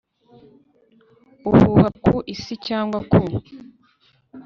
uhuha ku isi cyangwa ku